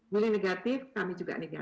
milih negatif kami juga negatif